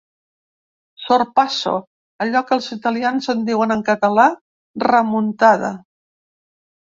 Sorpasso’, allò que els italians en diuen, en català, ‘remuntada’